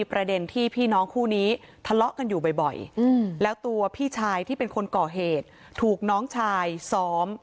ประเด็นที่พี่น้องคู่นี้ทะเลาะกันอยู่บ่อยแล้วตัวพี่ชายที่เป็นคนก่อเหตุถูกน้องชายซ้อม